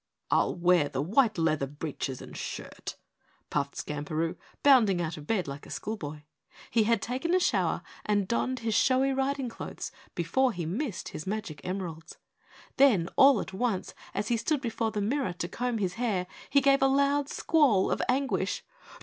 "I'll wear the white leather breeches and shirt," puffed Skamperoo, bounding out of bed like a school boy. He had taken a shower and donned his showy riding clothes before he missed his magic emeralds. Then, all at once, as he stood before the mirror to comb his hair, he gave a loud squall of anguish.